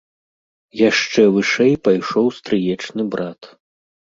Яшчэ вышэй пайшоў стрыечны брат.